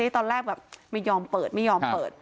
ตอนแรกแบบไม่ยอมเปิดไม่ยอมเปิด